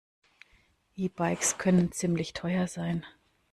E-Bikes können ziemlich teuer sein.